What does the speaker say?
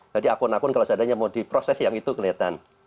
jadi akun akun kalau seadanya mau diproses yang itu kelihatan